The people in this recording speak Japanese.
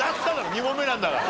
２問目なんだから。